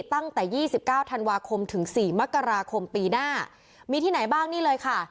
ตั้งแต่ยี่สิบเก้าธันวาคมถึงสี่มกราคมปีหน้ามีที่ไหนบ้างนี่เลยค่ะ